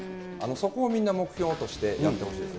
そこをみんな目標としてやってほしいですね。